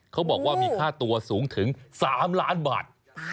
เขาบอกว่ามีค่าตัวสูงถึง๓ล้านบาท